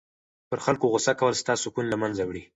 پر خلکو غصه کول ستا سکون له منځه وړي.